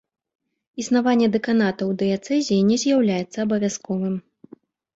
Існаванне дэканатаў у дыяцэзіі не з'яўляецца абавязковым.